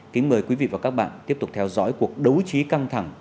kính mời quý vị và các bạn tiếp tục theo dõi cuộc đấu trí căng thẳng